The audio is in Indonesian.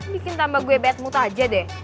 bikin tambah gue badmout aja deh